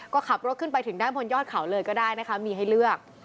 ก็ขับรถขึ้นไปถึงด้านบนยอดเขาเลยก็ได้นะคะมีให้เลือก